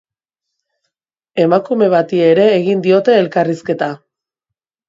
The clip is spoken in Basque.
Emakume bati ere egin diote elkarrizketa.